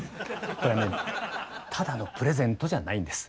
これはねただのプレゼントじゃないんです。